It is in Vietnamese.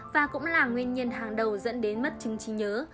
và cũng là nguyên nhân hàng đầu dẫn đến mất chứng trí nhớ